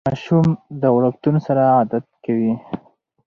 ماشوم د وړکتون سره عادت کوي.